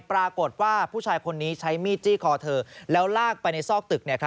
ปรากฏว่าผู้ชายคนนี้ใช้มีดจี้คอเธอแล้วลากไปในซอกตึก